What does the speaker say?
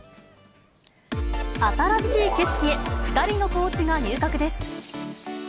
新しい景色へ、２人のコーチが入閣です。